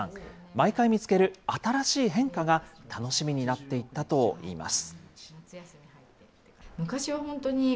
毎回見つける新しい変化が楽しみになっていったといいます。